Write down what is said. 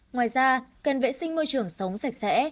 ngoài ra cần vệ sinh môi trường sống sạch sẽ